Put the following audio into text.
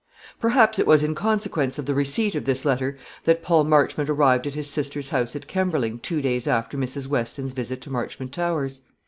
Perhaps it was in consequence of the receipt of this letter that Paul Marchmont arrived at his sister's house at Kemberling two days after Mrs. Weston's visit to Marchmont Towers.